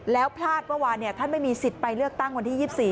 แล้วพลาดเมื่อวานเนี่ยท่านไม่มีสิทธิ์ไปเลือกตั้งวันที่ยี่สิบสี่